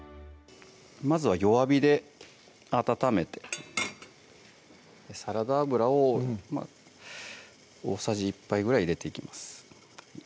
まずは弱火で温めてサラダ油を大さじ１杯ぐらい入れていきます